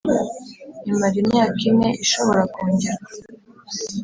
imara imyaka ine ishobora kongerwa